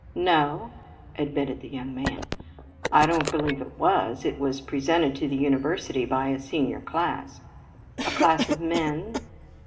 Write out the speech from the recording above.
"No," admitted the young man; "I don't believe it was. It was presented to the University by a senior class." "A class of men?"